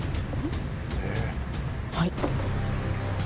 はい。